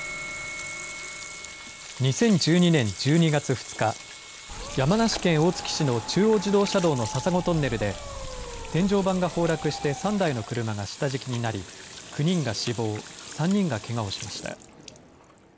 ２０１２年１２月２日、山梨県大月市の中央自動車道の笹子トンネルで、天井板が崩落して３台の車が下敷きになり、９人が死亡、３人がけがをしました。